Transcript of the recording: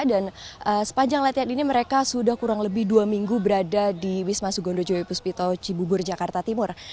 dan sepanjang latihan ini mereka sudah kurang lebih dua minggu berada di wisma sugondo joyo ipus pito cibubur jakarta timur